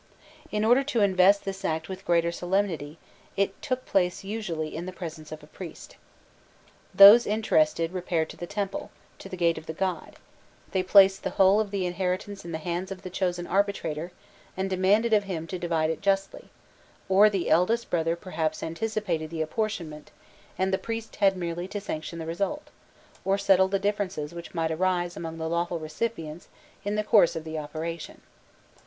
In order to invest this act with greater solemnity, it took place usually in the presence of a priest. Those interested repaired to the temple, "to the gate of the god;" they placed the whole of the inheritance in the hands of the chosen arbitrator, and demanded of him to divide it justly; or the eldest brother perhaps anticipated the apportionment, and the priest had merely to sanction the result, or settle the differences which might arise among the lawful recipients in the course of the operation.